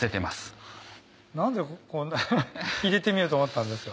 何でこんな入れてみようと思ったんですか？